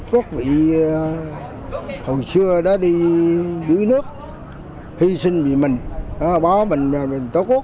quốc vị hồi xưa đã đi bí nước hy sinh vì mình báo bình tổ quốc